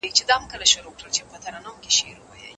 په افغانستان کې د زده کړې مرکزونه مخ په زیاتېدو دي.